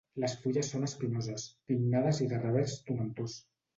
Les fulles són espinoses, pinnades i de revers tomentós.